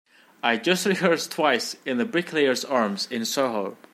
I just rehearsed twice in the Bricklayers Arms in Soho.